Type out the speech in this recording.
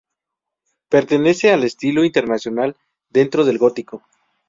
Pertenece al estilo internacional dentro del gótico.